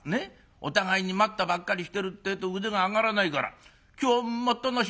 お互いに『待った』ばっかりしてるってえと腕が上がらないから今日は『待ったなし』。